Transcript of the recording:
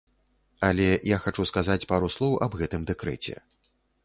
Але я хачу сказаць пару слоў аб гэтым дэкрэце.